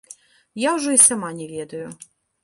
Я ўжо і сама не ведаю.